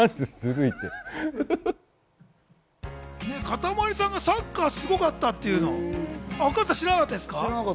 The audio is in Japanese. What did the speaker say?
かたまりさん、サッカーすごかったって、加藤さん、知らなかったですか？